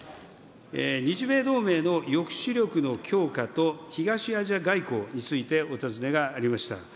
日米同盟の抑止力の強化と東アジア外交について、お尋ねがありました。